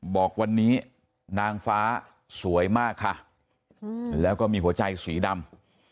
บอกวันนี้นางฟ้าสวยมากค่ะแล้วก็มีหัวใจสีดำ